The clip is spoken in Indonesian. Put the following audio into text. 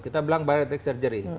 kita bilang bariatrik surgery